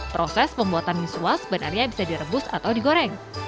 proses pembuatan misua sebenarnya bisa direbus atau digoreng